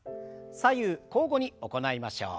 左右交互に行いましょう。